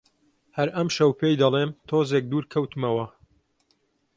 هەر ئەمشەو پێی دەڵێم، تۆزێک دوور کەوتمەوە